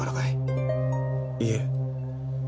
いいえ。